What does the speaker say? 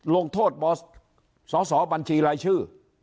ลงโทษบอสสบัญชีรายชื่อ